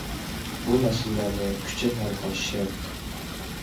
بۇ مەسىلىلەرنى كۈچەپ ھەل قىلىش شەرت.